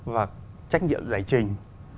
và trách nhiệm giải trình